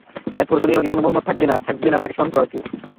এরপরে দুনিয়ার বুকে কোন মুহাম্মাদ থাকবে না, থাকবে না তাকে স্মরণ করার কেউ।